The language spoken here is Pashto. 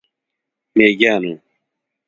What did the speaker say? میږیانو،